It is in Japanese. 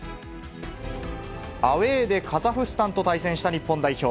アウエーでカザフスタンと対戦した日本代表。